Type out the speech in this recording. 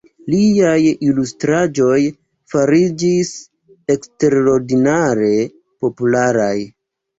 Liaj ilustraĵoj fariĝis eksterordinare popularaj.